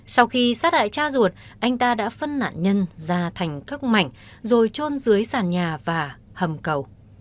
sau khi sát hại cha ruột anh ta đã phân nạn nhân ra thành các mảnh rồi trôn dưới sàn nhà và hầm cầu